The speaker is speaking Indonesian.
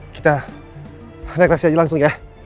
kita negerasi aja langsung ya